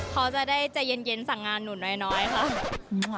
เขาจะได้ใจเย็นสั่งงานหนูน้อยค่ะ